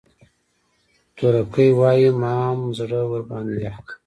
تورکى وايي مام زړه ورباندې يخ کړ.